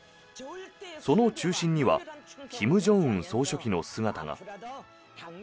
その中心には金正恩総書記の姿が。